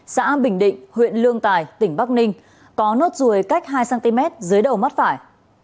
xã bình định huyện lương tài tỉnh bắc ninh có nốt ruồi cách hai cm dưới đầu mắt phải